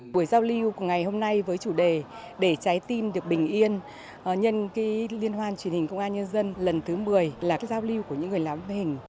buổi giao lưu của ngày hôm nay với chủ đề để trái tim được bình yên nhân liên hoan truyền hình công an nhân dân lần thứ một mươi là giao lưu của những người làm hình